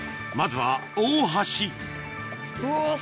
まずは大橋うわ